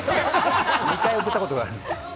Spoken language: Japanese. ２回送ったことがあるんです。